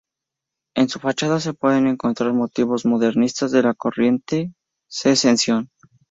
En su fachada se pueden encontrar motivos modernistas de la corriente Sezession.